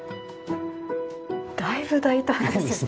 だいぶ大胆ですよね。